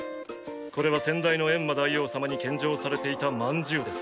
これは先代のエンマ大王様に献上されていたまんじゅうです。